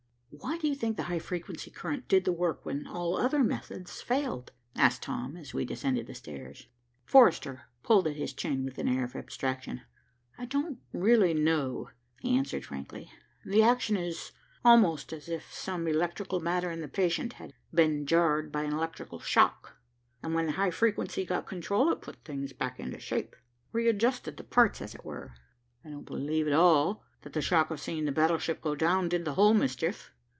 "Why do you think the high frequency current did the work when all other methods failed?" asked Tom, as we descended the stairs. Forrester pulled at his chin with an air of abstraction. "I don't really know," he answered frankly. "The action is almost as if some electrical matter in the patient had been jarred by an electrical shock, and when the high frequency got control, it put things back into shape. Readjusted the parts, as it were. I don't believe at all that the shock of seeing the battleship go down did the whole mischief.